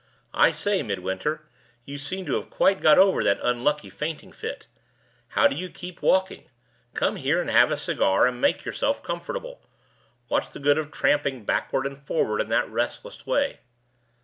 I say, Midwinter, you seem to have quite got over that unlucky fainting fit. How you do keep walking! Come here and have a cigar, and make yourself comfortable. What's the good of tramping backward and forward in that restless way?"